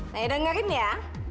nah ya dengerin ya